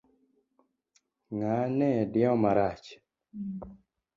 Ng'ane diewo marach.